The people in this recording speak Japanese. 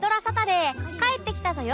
『帰ってきたぞよ！